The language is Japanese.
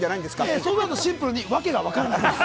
そうなるとシンプルに訳が分からないです。